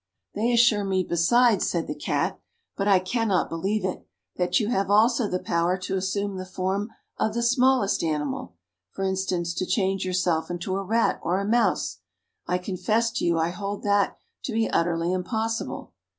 "They assure me, besides," said the Cat, "but I cannot believe it, that you have also the power to assume the form of the smallest animal; for instance, to change yourself into a rat or a mouse. I confess to you I hold that to be utterly impossible."